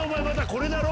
これだろ？